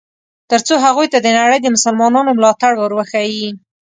ترڅو هغوی ته د نړۍ د مسلمانانو ملاتړ ور وښیي.